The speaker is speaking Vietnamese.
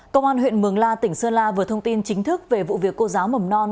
công an huyện mường la tỉnh sơn la vừa thông tin chính thức về vụ việc cô giáo mầm non